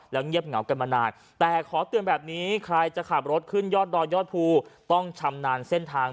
เงียบเหงากันมานานแต่ขอเตือนแบบนี้ใครจะขับรถขึ้นยอดดอยยอดภูต้องชำนาญเส้นทาง